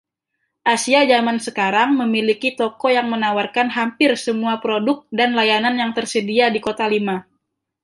Asia Zaman Sekarang memiliki toko yang menawarkan hampir semua produk dan layanan yang tersedia di Kota Lima.